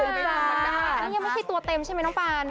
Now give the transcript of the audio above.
นี่ยังไม่มีตัวเต็มใช่มั้ยน้องปาน